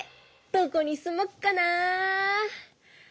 どこに住もっかな。